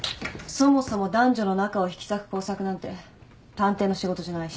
そもそも男女の仲を引き裂く工作なんて探偵の仕事じゃないし。